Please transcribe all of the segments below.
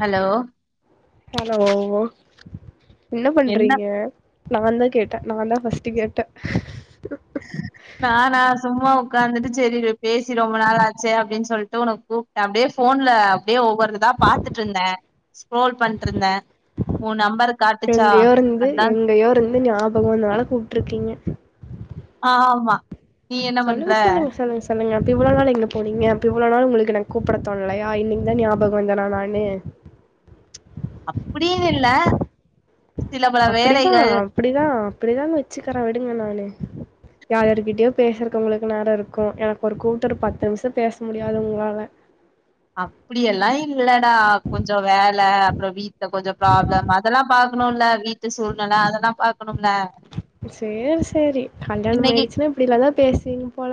hello hello என்ன பண்றீங்க நான் தான் கேட்டேன் நான் தான் ஃபர்ஸ்ட் கேட்டேன் நானான் சும்மா உட்காந்துட்டு செரி பேசி ரொம்ப நாள் ஆச்சு அப்படின்னு சொல்லிட்டு உன கூப்பிட்டன் அப்படியே போன்ல அப்படியே ஒவ்வொருதான் பாத்துட்டு இருந்தேன் ஸ்க்ரோல் பண்ணிட்டு இருந்தேன் உன் நம்பர் காட்டுச்சா எங்கயோ இருந்து அதான் எங்கயோ இருந்து ஞாபகம் வந்தனால கூப்டுருக்கீங்க ஆஹ் ஆமா நீ என்ன பண்ற சொல்லுங்க சொல்லுங்க சொல்லுங்க சொல்லுங்க இப்போ இவ்ளோ நாள் எங்க போனீங்க இப்ப இவ்ளோ நாள் உங்களுக்கு எனக்கு கூப்பிட தொன்னாலையா இன்னைங்கதான் ஞாபகம் வந்தனா நானு அப்படினு இல்ல சில பல அப்படிதான் வேலைகள் அப்படிதான் அப்படிதான் வச்சுக்கறேன் விடுங்க நானு யார்ருக்கிட்டயோ பேசறக்கவங்களுக்கு நேரம் இருக்கும் எனக்கு ஒரு கூட்டுஒரு பத்து நிமிஷம் பேச முடியாது உங்களால அப்படியெல்லாம் இல்லடா கொஞ்சம் வேலை இருக்கணும் வீட்டு சூழ்நிலை அதெல்லாம் பா னுல சேரி சேரி கல்யாணம் இன்னைக்கு ஆயிடுச்சுன்னா இப்படிலாம் தான் பேசுவீங்க போல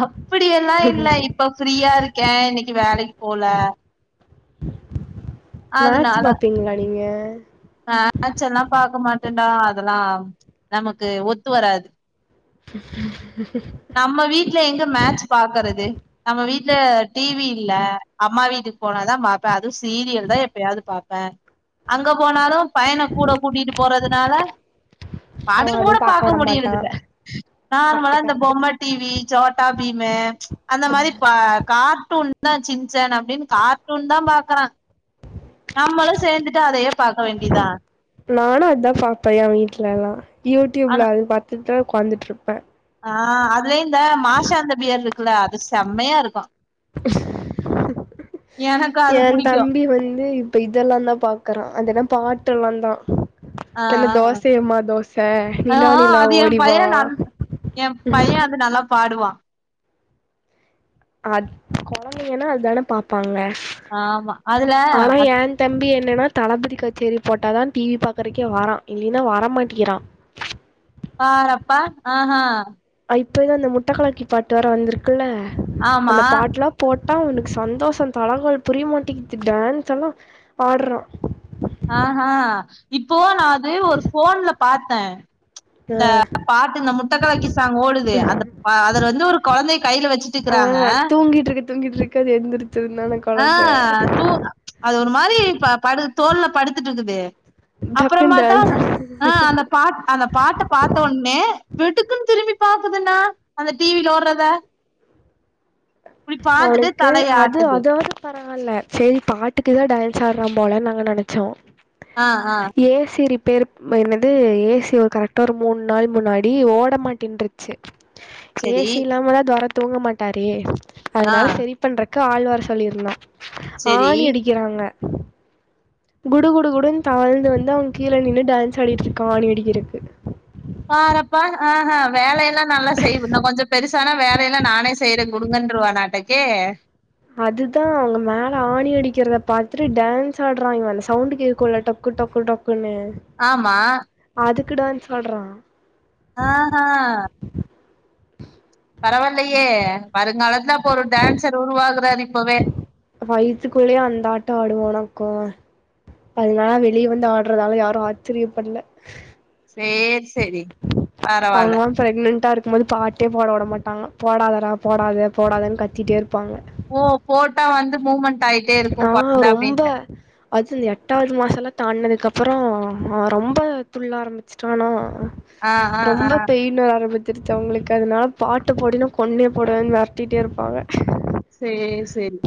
அப்படியலாம் இல்ல இப்ப ஃப்ரீய இருக்கேன் இன்னை வேலைக்கு போல சடும் அதனால மேட்ச்ல்லாம் பாக்க மாட்டேன் அதெல்லாம் நமக்கு ஒத்து வராது உம்கு நம்ம வீட்டுல எங்க மேட்ச பாக்குறது நம்ம வீட்டுல டிவி இல்ல அம்மா வீட்டுக்கு போனதான் பாப்பேன் அதுவும் சீரியல் தான் எப்பயாவது பாப்பேன் அங்க போனாலும் பையனா கூட கூட்டிட்டு போறதுனால அவ படம் கூட அதுவு பாக்க விட மாட்டா முடியறதுலா கரெக்ட் நார்மலா இந்த கரெக்ட் பொம்மட்டிவி சோட்டா பீம் பீம்மு அந்த மாதிரி கார்ட்டூன் தான் சின்சன் அப்படின்னு கார்ட்டூன் தான் பாக்குறான் நம்மளும் சேர்ந்துட்டு அதையே பாக்க வேண்டியதுதன் நானும் அதான் பாப்பேன் என் வீட்லலாம் ஆனா யூடியூப்ல அது பாத்துட்டு உட்காந்துட்ருப்பேன் ஆ இல்ல அது செம்மையா இருக்கும் எனக்கு அது என் புடிக்கு தம்பி வந்து இப்ப இதெல்லாம் தான் பாக்குறான் அதென பாட்டுல்லா தான் ஆ தன்ன தோசையம்மா தோசை ஆ நிலா ஆ நிலா அது என் பைய ஓடிவா நல் எ பைய அது நல்லா பாடுவா ஆ அது கெழந்தைங்கன்னா அதானே பாப்பாங்க ஆம்மா அதுல ஆனா எ அத் தம்பி என்னன்னா தளபதி கச்சேரி போட்டாதான் டிவி பாக்குறக்கே வரான் இல்லலைன்னா வரமாட்டேங்கிறா பாறப்பா ஆஹ்ஹ் இப்போதான் அந்த முட்டை கலக்கி பாட்டு வேர வந்திருக்குல்ல ஆமா அந்த பாட்டுல்லாம் போட் அதான் அவனுக்கு சந்தோஷம் தலைகல் புரியமாட்டிங்குது டான்ஸ் எல்லாம் ஆடுறான் ஆஹஹ் இப்போ நான் அது ஒரு போன்ல பாத்தேன் இந்த பாட்டு இந்த முட்டை கலக்கி சாங் ஓடுது அந்த அதுல வந்து ஒரு குழந்தைய கையில வச்சுட்டு ஆ இருக்கிறாங்க தூங்கிட்டு இருக்கு தூங்கிட்டு இருக்கு அது எழுந்திரிச்சிருந்தான குழந்த ஆஹ் தூ அது ஒரு மாதிரி ப படு தோல்ல படுத்துட்டு இருக்குது அப்புற டக்குன்னு பாத்தா டான்ஸ் ஆஹ் அந்த பா அந்த பாட்ட பாத்த ஒனே வெடுக்குன்னு திரும்பி ப் பாக்குதுண்ணா அந்த டிவில ஓடுறத இப்டி பாத்துட்டு அவனுக்கு தலைய அது ஆட்டுது அதாவது பத் ஆ அதலாஇல சரி பாட்டுக்குதான் டயன்ஸ் ஆடுற போலன்னு நாங்க நெனச்சோம் ஆஹ் ஆஹ் பேர் என்னது ஏசி ஒரு கரெக்டா ஒரு மூணு நாள் முன்னாடி ஓட மாட்டேன்ருச்சு செரி ஏஸ்ஸி இல்லாமலாதெரத் தூங்க மாட்டாரே ஆ அதனால்லா சரி பண்ற க்காஆழ்வர் சொல்லிருந்தா செரி ஆனி அடிக்கிறாங்க [inaudible] குடு குடு குடுன்னு தாழ்ந்து வந்து அவன் கீழே நின்று டான்ஸ் ஆடிட்டு இருக்கான்னு இடிக்க இருக்கு பாறப்பா ஆஹ் ஆஹ் வேலையெல்லாம் நல்லா செய்து இன்னு கொஞ்சம் பெருசான வேலையெல்லாம் நானே செய்யறேன் குடுங்கன்டுருவான் ஆட்டூக் ஏ அதுதான் அவங்க மேல ஆணி அடிக்கிறதை பாத்துட்டு டான்ஸ் ஆடுறா இவன் அந்த சவுண்ட் கேட்குல டக்கு டக்கு ட பொன்னு ஆமா அதுக் டக்கு டான்ஸ் ஆடுறா ஆஹ் ஹ் பரவால்லையே வருங்காலத்துல இப்ப ஒரு டான்சர் உருவாகறாரு இப்பவே வைய்த்துக்குள்ளயே அந்த ஆட்டம் ஆடுவானாங் கா அதனாலா வெளியே வந்து ஆடுறதால யாரு ஆச்சரிய படல சேரி சேரி பரவால அவங்கல்லா பிரெக்னன்டா இருக்கும்போது பாட்டே போட விட மாட்டாங்க போடாதடா போடாத போடாததுன்னு கத்திட்டே இருப்பாங்க ஓ போட்டா வந்து மூமெண்ட் ஆயிட்டே இருக்கு ஆ கொழந்த ரொம்ப அப்டின்ட்டு அது இந்த எட்டாவது மாச எல்லா தாண்டுனது அதுக்கப்புரோ ரொம்ப துள்ள ஆரம்பிச்சிட்டான்னா ஆ ஆ ஆ ரொம்ப பெயினு ஆரம்பிச் திருச்சவங்களுக்கு அதனால பாட்டு போடினா கொன்னே போடுவேன்னு மெரட்டிட்டே இருப்பாங்க சேரி சேரி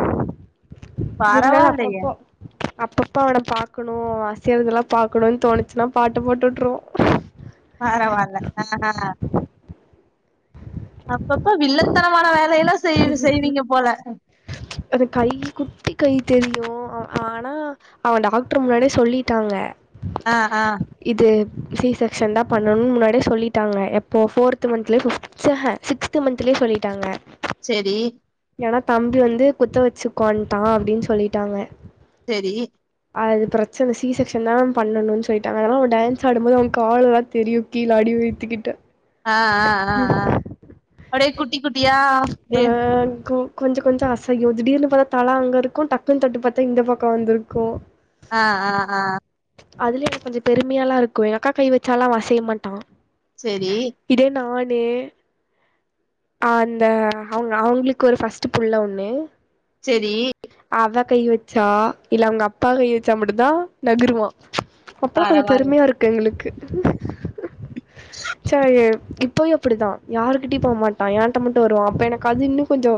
பரவாயில்லயே அப்பப்பா அவன பாக்கணு அசையறதெல்லா பாக்கணுன்னா தோணிச்சுன்னா பாட்டு போட்டு உட்றுவோ பரவால்ல ஹஹ அப்பப்ப வில்லத்தனமான வேலையெல்லா செய் செய்வீங்க போல அது கை குட்டி கை தெரியு ஆனா அவன் டாக்டர் முன்னாடியே சொல்லிட்டாங்க ஆஹ ஆஹ இது சி செக்ஷன் தான் பண்ணணும்னு முன்னாடியே சொல்லிட்டாங்க எப்போ போர்த் மந்த்தலயே பிப ஆஹ சிக்ஸ்த் மந்த்லே சொல்லிட்டாங்க சேரி ஏன்னா தம்பி வந்து குத்த வச்சுக்கோன்ட்டா அப்பிடின்னு சொல்லிட்டாங்க சேரி அது பிரச்சனை சி செக்ஷன் தான் பண்ணணும்ன்னனு சொல்லிட்டாங்க அதனால அவன் டான்ஸ் ஆடும்போது அவன் காளு எல்லா தெரியு கீழ் அடி வைத்துக்கிட்ட ஹ ஹ ஹ ஹ அப்டே குட் குட்டி குட்டியா அப்டியே கொஞ்சம கொஞ்ச அசையு திடீர்னு பார்த்தா தலா அங்க இருக்கு டக்குன்னு தட்டு பாத்தா இந்த பக்க வந்திருக்கு ஹ ஹ ஹ அதுலய இப்ப கொஞ்ச பெருமையாலா இருக்கு எங்க அக்கா கை வச்சாலா அவ அசைய மாட்டா சேரி பேல் ஆ அந்த அவுங்க அவுங்களுக்கு ஒரு ஃபஸ்ட்டு புள்ள ஒண்ணு சேரி அதா கை வச்சா இல்ல அவுங்க அப்பா கை வச்சா மட்டு்தா நகுருவா அப்பல்லா கொஞ்ச பரவால்ல பெருமையா இருக்கு எங்களுக்கு [inaudible] சரி ப் இப்பயு அப்புடிதா யாருக்கிட்டி போக மாட் ஹ ஏண்ட மட்டு வருவான் அப்ப அது இன்னு கொஞ்ச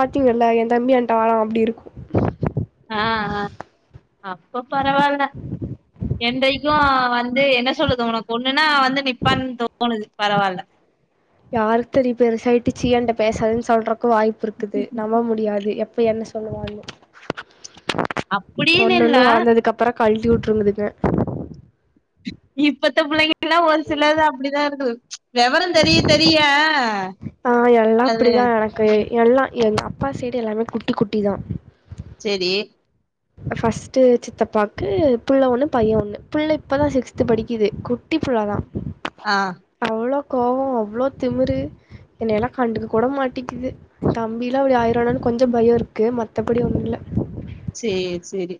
பாத்தீங்கல்ல எந் தம்பியங்கிட்ட வாரா அப்டி இருக்கு அப் பப் பரவாயில்ல என்றைக்கு வந்து என்ன சொல்லுது உனக்கு ஒண்ணுன்னா வந்து நிப்பான்னு தோணுது பரவால்ல யாருக்கு தெரியு பெருசாயிட்டு சீயான்ட்ட பேசாதுன்னு சொல்ற க்கு வாய்ப்பு இருக்குது நம்ப முடியாது எப் இப்ப என்ன சொல்லுவான்னு அப்டின்னு ஒன்னு இல்ல ஒண்ணு வளர்ந்ததுக்கு அப்புறம் கல்ட்டி உட்டுவந்திருக்க இப்பத்த பிள்ளைங்க எல்லா ஒரு சிலது அப்டிதா இருக்குது வெவரம் தெரிய தெரிய ஆஹ் எல்லாம் அது அப்படிதான் எனக்கு எல்லாம் எங்க அப்பா செய்டு எல்லாம் ஆமே குட்டி குட்டி தான் செரி ஃபர்ஸ்ட்ட் சித்தப்பாக்கு புள்ளை ஒண்ணு பையன் ஒண்ணு புள்ளை இப்பதான் சிக்ஸ்த் படிக்குது குட்டி புள்ளாதான் ஆ கோவோ அவ்ளோ திமுறு என்னையெல்லா கண்டுக்க கூட மாட்டிங்குது தம்பில்லா அப்டி ஆயிருவானோனு கொஞ்ச பயோ இருக்கு மத்தபடி ஒண்ணு இல்ல சேரி சேரி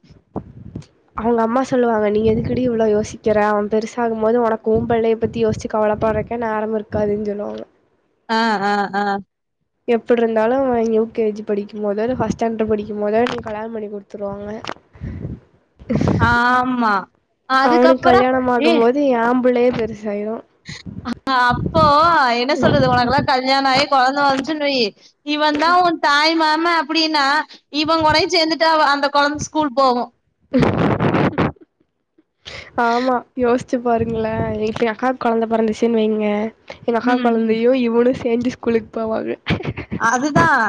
அவங்க அம்மா சொல்லுவாங்க நீ எதுக்குடி இவ்வளவு யோசிக்கிற அவ பெருச ஆகும்போது உனக்கு உம்புள்ளைய பத்தி யோசிச்சி கவலைப்படுறக்கே நேரம் இருக்காதுன்னு சொல்லுவாங்க ஆஹ் ஆஹ் ஆஹ் எப்டி இருந்தாலு யூ கே ஜி படிக்கும் போதோ இல்ல ஃபஸ்ட் ஸ்டாண்டர்ட் படிக்கும் போதோ என்ன கல்யாணோ பண்ணி குடுத்துருவாங்க ஆஆமா அவனுக்கு கல்யாணம் ஆகும் போது ஏம்புள்ளய சரி ஆ அப்போ என்ன சொல்றது உனக்கெல்லா கல்யாணோ ஆயி போனு வந்த்ச்சுனு வையி இவந்தா ஒன் தாய் மா ம்ம அப்படின்னா இவங்கூடயு சேந்துட் த்த அந்த கொழந்த ஸ்கூல் போகு ம் ஆமா யோசிச்சு பாருங்களே இப்ப எங்க அக்காக்கு கொழந்த பொறந்துச்சினு வைங்க எங்க அக்கா ம் கொழந்தையு இவனு சேந்து ஸ்கூலுக்கு போவாங்க அதுதான்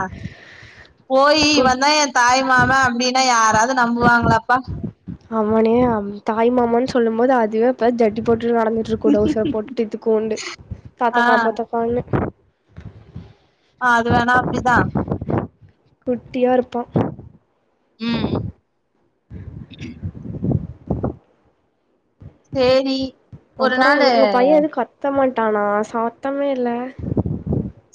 போயி கூட் வந்தா என் தாய் மாமன் அப்படின்னா யாராவது து நம்புவாங்களாப்பா அவனே அம் தாய்மாமன்னு சொல்லும் போது அதுவே அப்பதா ஜட்டி போட் [unintelligible] நடந்துட்ருக்கு டவுசர் போட்டுட்டு இத்துக்கூண்டு ஆ தத்தக்கா புத்தக்கான்னு ஆஹ் அது வேணா அப்டிதா குட்டியா இருப்போ உம் சேரி ஒரு அப்பறம் நாளு உங்க பையன் எதுவும் கத்த மாட்டேன் ட்டானா சாத்தமே இல்ல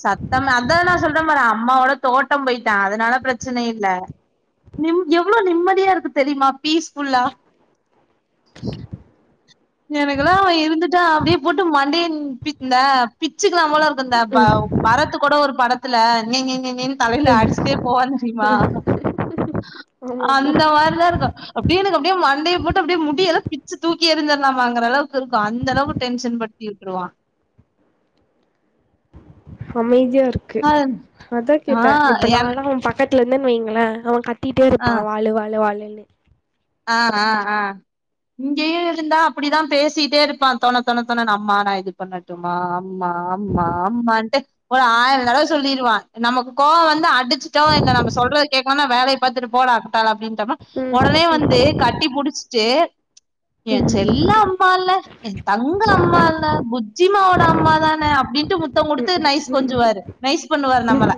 சத்தம் அதான் நான் சொல்றேன் மாறேன் அம்மாவோட தோட்டம் போயிட்டோன் அதனால பிரச்சனை இல் நிம் எவ்வளோ நிம்மதியா இருக்கு தெரியுமா பீஸஃபுல்லா எனக்குெல்லாம் இருந்துட்டா அப்டியே போட்டு மண்டயன் பிந்த க்கலாமல இருக்கு இந்த பரத்து கூட ஒரு படத் [inaudible] நீ நீன் தலையில அடிச்சிட்டே போவான்னு தெரியுமா ஆமா ஆமா அந்த மாரிதான் இருக்கும் அப்டியே எனக்கு அப்டியே மண்டயை போட்டு அப்டியே முடிய எல்லாம் பிச்சு தூக்கி இருந்தடலாமாங்கற அளவுக்கு இருக்கும் அந்த அளவுக்கு டென்ஷன் படுத்திட்டுருவான் அமைதி இருக்கு அதான் ஆ கேட்டான் இப்ப என் நான பக்க [inaudible] வைங்களா அவன் க கட்டிட்டட்டே ஆ இருப்பான் வாழ வாழ வாழ இனை ஆ ஆ ஆ இங்கேயும் இருந்தா அப்டிதான் பேசிட்டே இருப்பான் தண தணை தண ந அம்மா நான இது பண்ணட்டுமா ஆமா ஆமா ஆமான்ட்டு ஒரு ஆயிரம் நடவ சொல்லிருவான் நமக்கு கோவம் வந்து அடுத் இந்த நம்ம சொல்றது கேக்கும்னா வேல பிர போட ஆட்டா அப்டின்னு ம் உடனே ம் வந்து கட்டி புடிச்சிட்டு என் செல்ல அம்ம இல்ல என் தங்க அம்மா இல்ல புஜிமாவோட அம்மாதானே அப்டின்ட்டு முத்தம் கொடுத்து நைஸ் கொஞ்சுவாரு நைசு பண்ணுவாரு நம்மள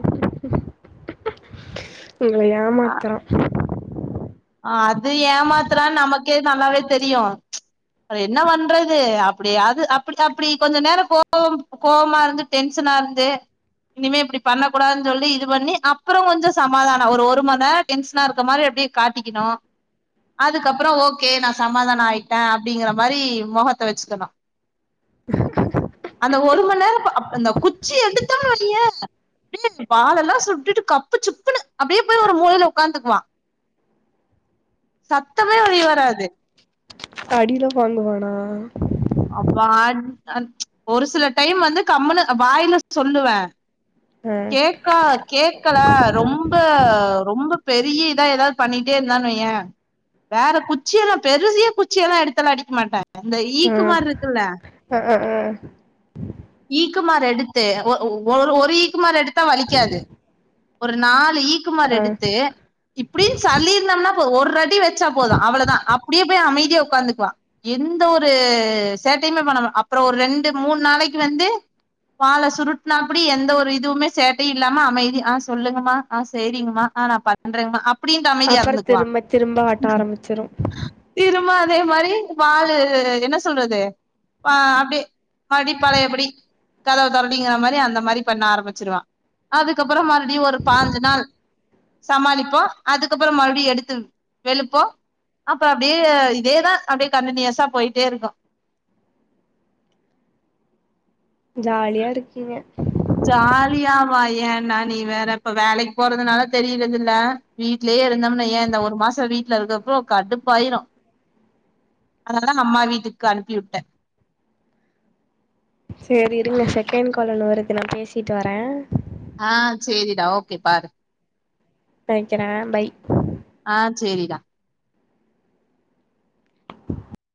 உங்கள ஏமாத்துற ஆம் அது ஏமாத்தான் நமக்கு நல்லாவே தெரியும் என்ன பண்றது அப்டி அ அ அப்டி கொஞ்ச நேரம் கோம் கோபமா இருந்து டென்ஷனா இருந்து இனிமே இப்டி பண்ணக்கூடாது சொல்லி இது பண்ணி அப்பறம் கொஞ்சம் சமாதானம் ஒரு ஒரு மணி நேரம் டென்ஷனா இருக்க மாரி அப்டியே காட்டிக்கணும் அதுக்கப்பறம் ஓகே நான சமாதானம் ஆயிட்டேன் அப்டிங்கிற மாரி முகத்தை வச்சுக்கணும் அந்த ஒரு மணி நேரம் குச்சி எடுத்தோம் பாலெல்லாம் சுட்டுட்டு கப்பு சுப்பு அப்டியே போய் ஒரு மூயில உட்காந்துக்குவான் சத்தமே வெளி வராது அடியில வாங்குவானா அப்ப ஒரு சில டைம் வந்து கம்மனு வாயில சொல்லுவேன் ஆ கேக்கா கேக்கல ரொம்ப ரொம்ப பெரிய இதா ஏதாவது பண்ணிட்டே இருந்தன்னு வையேன் வேற குச்சி எல்லாம் பெரிய குச்சிலாம் எடுத்து அடிக்க மாட்டேன் அந்த ஆ ஈக்குமார் இருக்குல்ல ஆ ஆ ஈக்குமாார் எடுத்து ஒரு ஈக்குமார் எடுத் த வலிக்காது ஒரு நாள் ஈக்குமார் ஆ எடுத்து இப்டின்னு சல்லிருனொம்ன [unintelligible] ஒரு அடி வச்சா போது அவ்ளதா அப்படியே போய் அமைதியா உக்காந்துக்குவா எந்த ஒரு சேட்டையுமே பண்ணமா அப்புற ஒரு ரெண்டு மூணு நாளைக் வந்து வாழ சுருட்டனாப்படி எந்த ஒரு இதுவுமே சேட்டை இல்லாம அமைதி அ சொல்லுங்கமா அ சரிங்கமா அ பண்றேங்கம அப்ப அப்டின்னு அப்புறோ அமைதியருந்துக்குவான் திரும்ப திரும்ப ஆட்ட ஆரம்பிச்சிரு திரும்ப அதே மாரி வாலு என்ன சொல்றது அப்டிய படி பழயபடி கதவ தொறடிங்கற மாரி அந்த மாரி பண்ண ஆரம்பிச்சிருவா அதுக்கப்றோ மறு அப்டி ஒரு பாஞ்சு நாள் சமாளிப்போம் அதுக்கப்புறம் மறுபடியும் எடுத்து வெளுப்போம் அப்பறம் அப்டியே இதேதான் அப்டியே கன்டினியூஸா போயிட்டேருக்கும் ஜாலியா இருக்கீங்க ஜாலியவா ஏன்னா நீ வேற இப்ப வேலக்கு போறதுனால தெரியறதுல்ல வீடலயே இருந்தோம்னு வையேன் இந்த ஒரு மாசம் வீட்டுல இருக்கரப்போ கடுப்பாயிரும் அதனாலான் அம்மா வீட்டுக்கு அனுப்பி விட்டேன் செரி இருங்க செகண்ட் கால்ல வருது நான பேசிட்டு வரேன் ஆஹ் செரிடா ஓகே பாரு க்கிறேன் பாய் ஆ சேரிடா [unintelligible]